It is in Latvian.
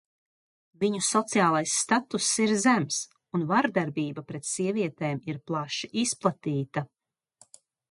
Viņu sociālais statuss ir zems, un vardarbība pret sievietēm ir plaši izplatīta.